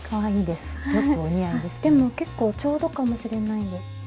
でも結構ちょうどかもしれない。